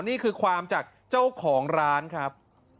นี่คือความจากเจ้าของร้านครับ